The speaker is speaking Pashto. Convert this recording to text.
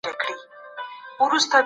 ځيني ځوانان علم او کسب نلري او واده کوي